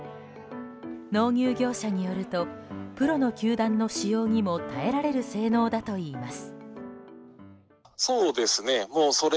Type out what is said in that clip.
納入業者によるとプロの球団の使用にも耐えられる性能だといいます。